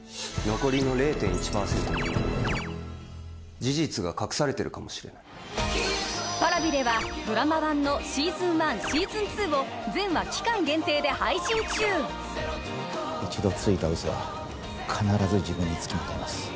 残りの０．１％に事実が隠されてるかもしれないＰａｒａｖｉではドラマ版のＳＥＡＳＯＮⅠＳＥＡＳＯＮⅡを全話期間限定で配信中一度ついたうそは必ず自分につきまといます